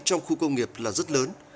trong khu công nghiệp là rất lớn